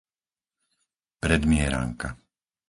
Predmieranka